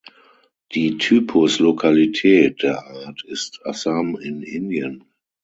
Die Typuslokalität der Art ist Assam in Indien.